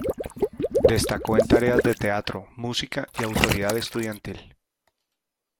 Destacó en tareas de teatro, música y autoridad estudiantil.